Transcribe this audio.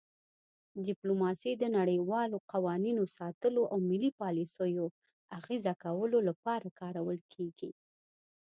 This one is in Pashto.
ډیپلوماسي د نړیوالو قوانینو ساتلو او ملي پالیسیو اغیزه کولو لپاره کارول کیږي